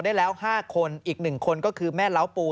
อีก๑คนก็คือแม่เหล้าปู